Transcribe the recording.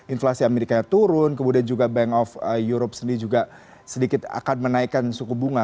inflasi amerika yang turun kemudian juga bank of europe sendiri juga sedikit akan menaikkan suku bunga